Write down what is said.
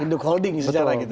induk holding secara gitu kan